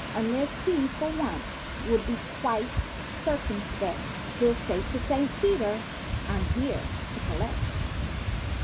Unless he, for once will be quite circumspect He'll say to Saint Peter—"I'm here to collect!"